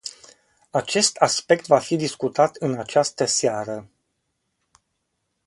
Acest aspect va fi discutat în această seară.